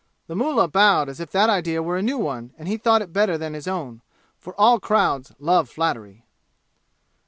The mullah bowed as if that idea were a new one and he thought it better than his own; for all crowds love flattery.